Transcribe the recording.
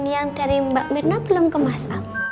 yang dari mbak mirna belum kemasan